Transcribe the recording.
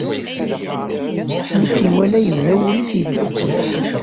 Mi tt-iwala yebda wul-is yedduqqus.